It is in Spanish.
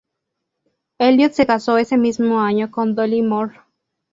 Elliott se casó ese mismo año con Dolly Moore.